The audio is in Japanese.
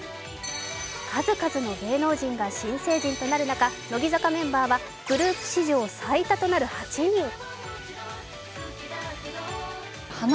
数々の芸能人が新成人となる中、乃木坂メンバーはグループ史上最多となる８人。